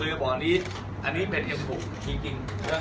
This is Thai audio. อันนี้เป็นม๑๖มีกลิ่น